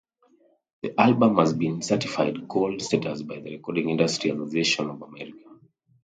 The album has been certified gold status by the Recording Industry Association of America.